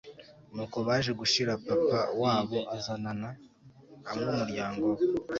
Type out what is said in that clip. Nuko baje gushira Papa wabo azanana numuryango we